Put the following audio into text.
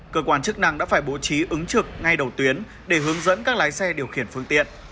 cơ quan chức năng đã phải bố trí ứng trực ngay đầu tuyến để hướng dẫn các lái xe điều khiển phương tiện